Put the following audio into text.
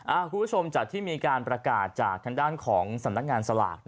คุณผู้ชมจากที่มีการประกาศจากทางด้านของสำนักงานสลาก